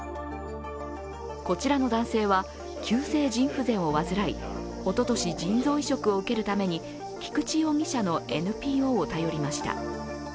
こちらの男性は、急性腎不全を患いおととし、腎臓移植を受けるために菊池容疑者のＮＰＯを頼りました。